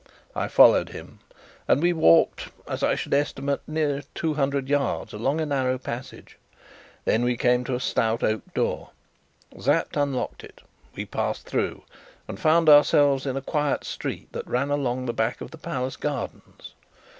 I followed him, and we walked, as I should estimate, near two hundred yards along a narrow passage. Then we came to a stout oak door. Sapt unlocked it. We passed through, and found ourselves in a quiet street that ran along the back of the Palace gardens.